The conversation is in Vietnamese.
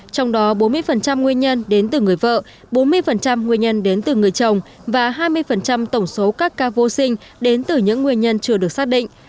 trong đó bốn mươi nguyên nhân đến từ người vợ bốn mươi nguyên nhân đến từ người chồng và hai mươi tổng số các ca vô sinh đến từ những nguyên nhân chưa được xác định